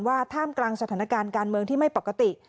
ท่ามกลางสถานการณ์การเมืองที่ไม่ปกติ